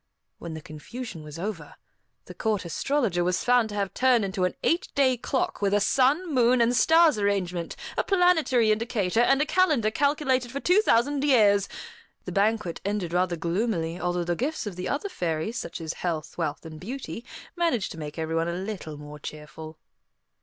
When the confusion was over, the Court Astrologer was found to have turned into an eight day clock, with a sun, moon, and stars arrangement, a planetary indicator, and a calendar calculated for two thousand years. The banquet ended rather gloomily, although the gifts of the other fairies, such as health, wealth, and beauty, managed to make everyone a little more cheerful.